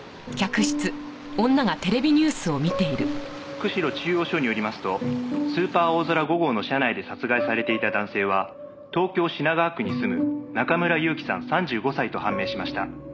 「釧路中央署によりますとスーパーおおぞら５号の車内で殺害されていた男性は東京品川区に住む中村祐樹さん３５歳と判明しました」